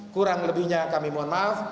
kurang lebihnya kami mohon maaf